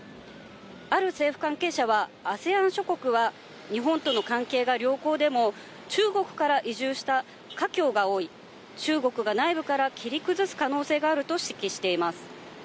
ある政府関係者は、ＡＳＥＡＮ諸国は日本との関係が良好でも、中国から移住した華僑が多い、中国が内部から切り崩す可能性があると指摘しています。